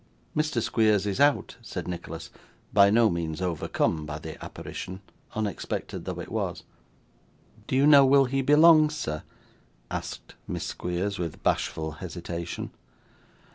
'Mr. Squeers is out,' said Nicholas, by no means overcome by the apparition, unexpected though it was. 'Do you know will he be long, sir?' asked Miss Squeers, with bashful hesitation.